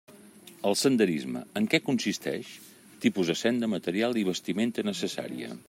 El senderisme: en què consistix?; tipus de senda, material i vestimenta necessària.